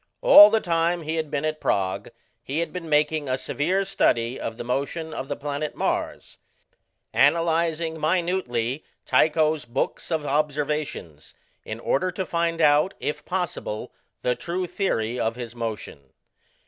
All the time he had been at Prague he had been making a severe study of the motion of the planet Mars, analyzing minutely Tycho's books of observations, in order to find out, if possible, the true theory of his motion.